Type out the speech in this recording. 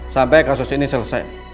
sampai kasus ini selesai